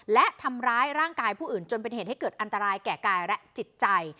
และทำร้ายร่างกายผู้อื่นจนเป็นเหตุให้เกิดอันตรายแก่กายและจิตใจ